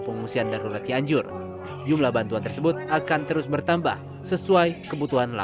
pengungsian darurat cianjur jumlah bantuan tersebut akan terus bertambah sesuai kebutuhan